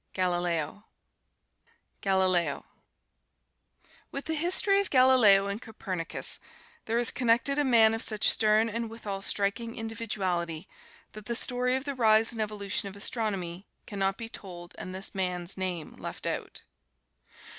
Galileo GALILEO With the history of Galileo and Copernicus, there is connected a man of such stern and withal striking individuality that the story of the rise and evolution of astronomy can not be told and this man's name left out.